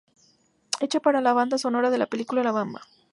Hecha para la banda sonora de la película La Bamba.